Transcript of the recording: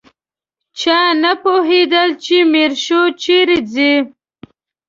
چا نه پوهېدل چې میرشو چیرې ځي.